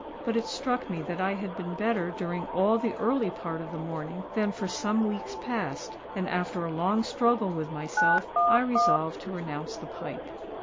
But it struck me that I had been better during all the early part of the morning than for some weeks past; and, after a long struggle with myself, I resolved to renounce the pipe.